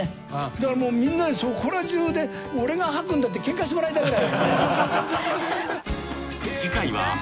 だからみんなでそこら中で俺がはくんだってケンカしてもらいたいくらい。